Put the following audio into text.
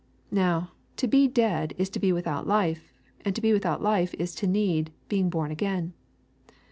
Now to be dead is to be without life, and to be without life is to need " being born again."